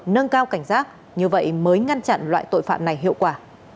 nâng cao cảnh giác như vậy mới ngăn chặn loại tội phạm này hiệu quả